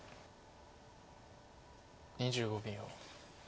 ２５秒。